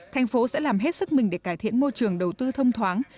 thành phố sẽ làm hết sức mình để cải thiện môi trường đầu tư thông thoáng